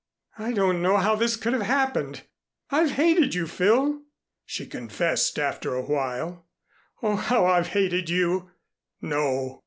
"I don't know how this could have happened. I've hated you, Phil," she confessed after a while. "Oh, how I've hated you!" "No."